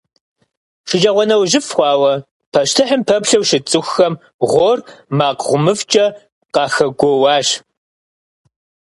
ШэджагъуэнэужьыфӀ хъуауэ пащтыхьым пэплъэу щыт цӀыхухэм гъуор макъ гъумыфӀкӀэ къахэгуоуащ.